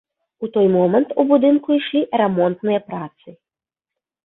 У той момант у будынку ішлі рамонтныя працы.